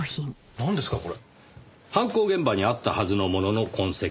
犯行現場にあったはずのものの痕跡。